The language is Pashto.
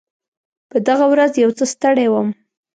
په دغه ورځ یو څه ستړی وم.